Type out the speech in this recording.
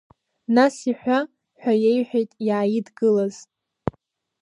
Нас иҳәа, ҳәа иеиҳәеит иааидгылаз…